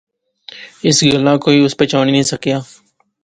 اس گلاہ کوئی اس پچھانی نی سکیا